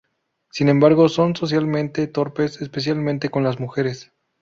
Sin embargo, son socialmente torpes, especialmente con las mujeres.